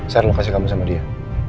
saya akan kasih kamu sama dia